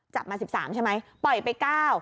จับมา๑๓ใช่ไหมปล่อยไป๙